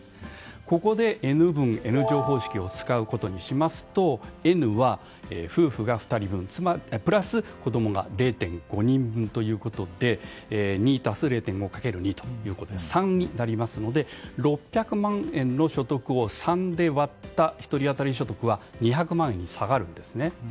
ここでＮ分Ｎ乗方式を使うことにしますとＮは夫婦が２人分プラス子供が０．５人分ということで２足す０．５かける２で３になりますので６００万円の所得を３で割った１人当たり所得は２００万円に下がるんですね。